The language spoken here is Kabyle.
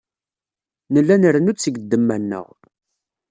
Nella nrennu-d seg ddemma-nneɣ.